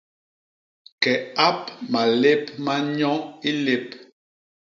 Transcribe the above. Ke ap malép ma nyo i lép!